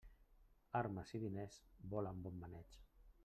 Armes i diners volen bon maneig.